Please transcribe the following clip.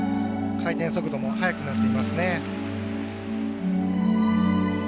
回転速度も速くなっていますね。